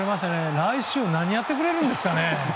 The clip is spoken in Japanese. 来週何やってくれるんですかね。